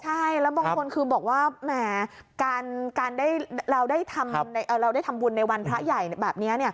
ใช่แล้วบางคนคือบอกว่าแหมการเราได้ทำบุญในวันพระใหญ่แบบนี้